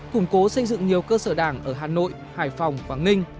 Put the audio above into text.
củng cố xây dựng nhiều cơ sở đảng ở hà nội hải phòng quảng ninh